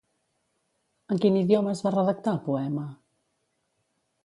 En quin idioma es va redactar el poema?